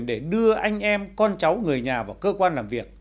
để đưa anh em con cháu người nhà vào cơ quan làm việc